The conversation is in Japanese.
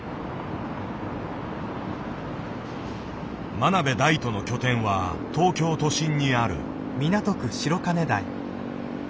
真鍋大度の拠点は東京都心にある。